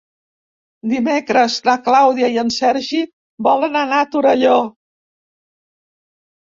Dimecres na Clàudia i en Sergi volen anar a Torelló.